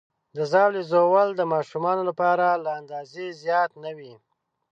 د ژاولې ژوول د ماشومانو لپاره له اندازې زیات نه وي.